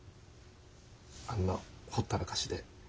あんなほったらかしで。